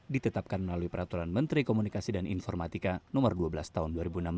ditetapkan melalui peraturan menteri komunikasi dan informatika no dua belas tahun dua ribu enam belas